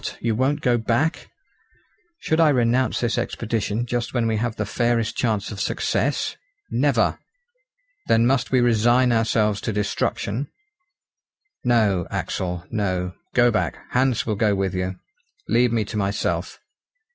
you won't go back?" "Should I renounce this expedition just when we have the fairest chance of success! Never!" "Then must we resign ourselves to destruction?" "No, Axel, no; go back. Hans will go with you. Leave me to myself!"